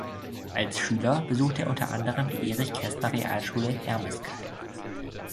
Als Schüler besuchte er unter anderem die Erich Kästner Realschule Hermeskeil.